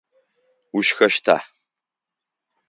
Ушхэщта?